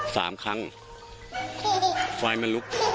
สามครั้งไฟมันลุก